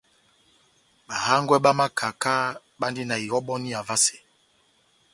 Bahángwɛ bá makaka bandi na ihɔbɔniya vasɛ.